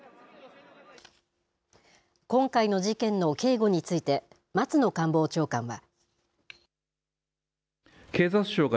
今回の事件の警護について、松野官房長官は。